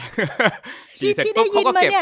ที่ได้ยินมาเนี่ย